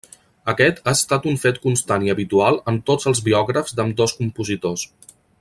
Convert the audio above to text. Aquest ha estat un fet constant i habitual en tots els biògrafs d'ambdós compositors.